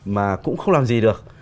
mà cũng không làm gì được